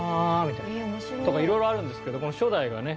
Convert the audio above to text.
みたいな。とかいろいろあるんですけども初代がね